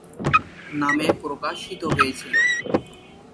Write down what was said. নামে প্রকাশিত হয়েছিল।